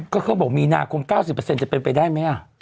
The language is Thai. ก็เขาบอกมีนาคม๙๐จะเป็นไปได้ไหม